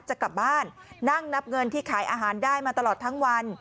จะกลับบ้านนั่งนับเงินที่ขายอาหารได้มาตลอดทั้งวัน